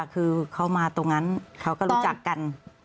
คือเขามาตรงนั้นเขาก็รู้จักกัน